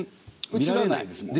映らないですもんね。